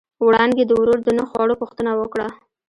وړانګې د ورور د نه خوړو پوښتنه وکړه.